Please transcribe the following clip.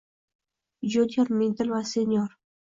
Junior, middle va senior